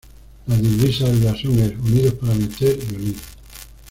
La divisa del blasón es: "Unidos para vencer y unir".